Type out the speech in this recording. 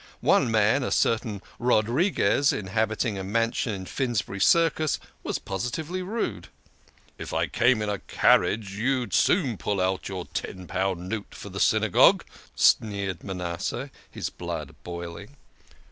One man a certain Rodriques, inhabiting a mansion in Finsbury Circus was positively rude. " If I came in a carriage, you'd soon pull out your ten pound note for the Synagogue," sneered Manasseh, his blood boiling.